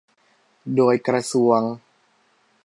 โดยกระทรวง